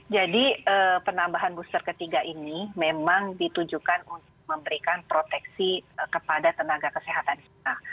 jadi penambahan booster ketiga ini memang ditujukan untuk memberikan proteksi kepada tenaga kesehatan kita